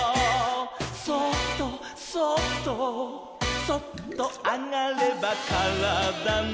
「そっとそっとそっとあがればからだの」